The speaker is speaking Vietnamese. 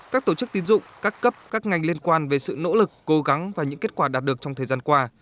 các tổ chức tín dụng các cấp các ngành liên quan về sự nỗ lực cố gắng và những kết quả đạt được trong thời gian qua